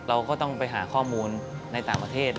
เราก็ต้องไปหาข้อมูลในต่างประเทศ